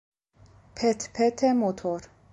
پت پت موتور